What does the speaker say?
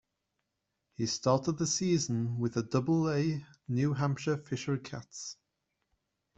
He started the season with the Double-A New Hampshire Fisher Cats.